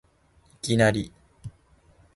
いきなり